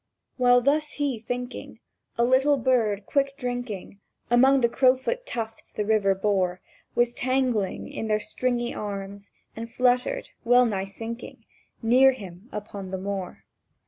While thus he, thinking, A little bird, quick drinking Among the crowfoot tufts the river bore, Was tangled in their stringy arms, and fluttered, well nigh sinking, Near him, upon the moor.